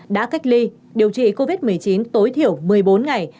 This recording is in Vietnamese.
đã cách ly điều trị covid một mươi chín tối thiểu một mươi bốn ngày